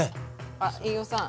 あ飯尾さん。